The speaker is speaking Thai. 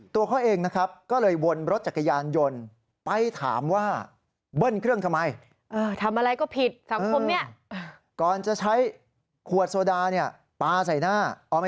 ตัวเขาเองนะครับก็เลยวนรถจักรยานยนต์ไปถามว่าเบิ้ลเครื่องทำไม